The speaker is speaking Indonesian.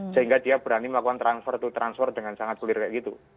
sehingga dia berani melakukan transfer to transfer dengan sangat clear kayak gitu